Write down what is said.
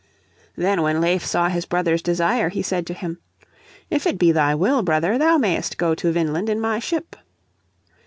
Then when Leif saw his brother's desire he said to him, "If it be thy will, brother, thou mayest go to Vineland in my ship."